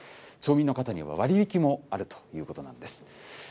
町民の方には割引もあるということなんです。